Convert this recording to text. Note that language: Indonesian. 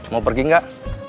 mau pergi nggak